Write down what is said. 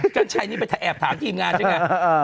เจ้าชายนี้ไปแอบถามทีมงานใช่ไง